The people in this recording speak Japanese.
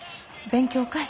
勉強会。